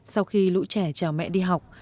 sau khi lũ trẻ chào mẹ đi học